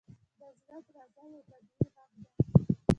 • د زړه درزا یو طبیعي ږغ دی.